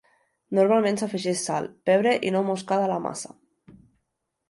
Normalment s'afegeix sal, pebre, i nou moscada a la massa.